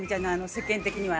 世間的には。